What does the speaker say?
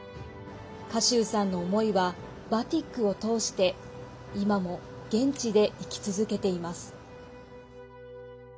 賀集さんの思いはバティックを通して今も現地で生き続けています。